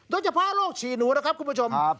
โดยเฉพาะโรคฉี่หนูนะครับคุณผู้ชม